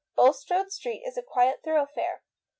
Bulstrode Street is a quiet thoroughfare.